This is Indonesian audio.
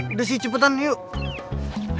udah sih cepetan yuk